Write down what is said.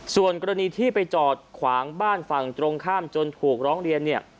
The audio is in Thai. ส่วนกรณีที่ไปจอดขวางบ้านฝั่งตรงข้ามจนถูกร้องเรียนเนี่ย